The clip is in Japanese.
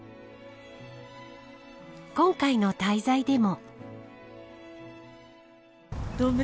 今回の滞在でも。